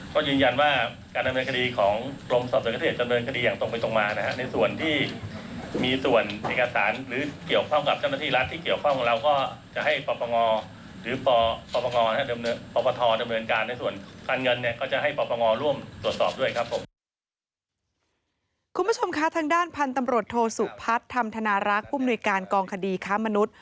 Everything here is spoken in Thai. คุณผู้ชมคะทางด้านพันธุ์ตำรวจโทสุพัฒน์ธรรมธนารักษ์ผู้มนุยการกองคดีค้ามนุษย์